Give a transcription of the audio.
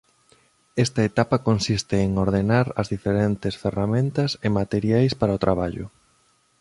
Esta etapa consiste en ordenar as diferentes ferramentas e materiais para o traballo.